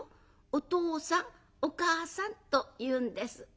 『お父さんお母さん』と言うんです。